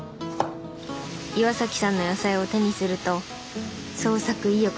岩さんの野菜を手にすると創作意欲が全開に。